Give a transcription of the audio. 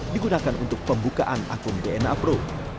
digunakan untuk pembukaan akun dna pro